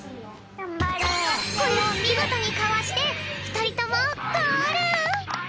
これをみごとにかわしてふたりともゴール！